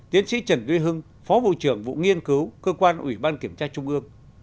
tiến sĩ trần duy hưng phó vụ trưởng vụ nghiên cứu cơ quan ủy ban kiểm tra trung ương